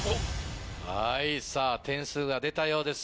点数が出たようです